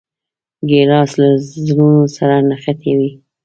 ګیلاس له زړونو سره نښتي وي.